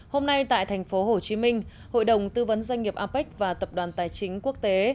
hôm nay tại thành phố hồ chí minh hội đồng tư vấn doanh nghiệp apec và tập đoàn tài chính quốc tế